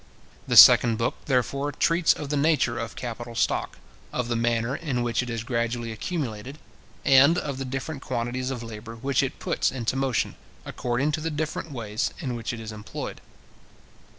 The second book, therefore, treats of the nature of capital stock, of the manner in which it is gradually accumulated, and of the different quantities of labour which it puts into motion, according to the different ways in which it is employed.